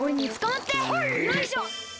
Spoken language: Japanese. よいしょ！